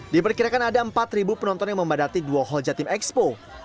diperkirakan ada empat penonton yang membadati dua hall jatim expo